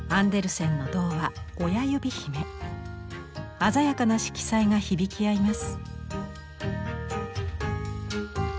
鮮やかな色彩が響き合います。